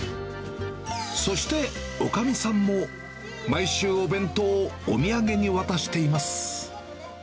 そしておかみさんも毎週、お弁当をお土産に渡しています。